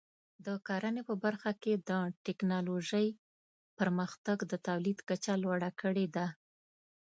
د کرنې په برخه کې د ټکنالوژۍ پرمختګ د تولید کچه لوړه کړې ده.